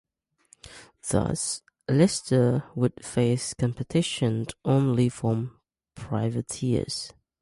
Thus, Lister would face competition only from privateers.